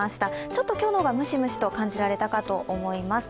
ちょっと今日の方がムシムシと感じられたかと思います。